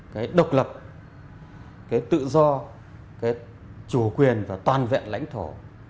cái độc lập cái tự do cái chủ quyền và toàn vẹn lãnh thổ